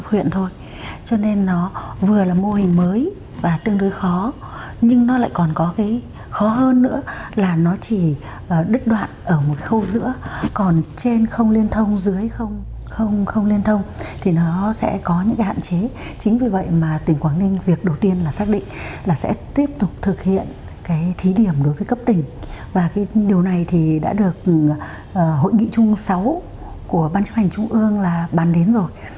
điều này đã được hội nghị chung sáu của ban chức hành trung ương bàn đến rồi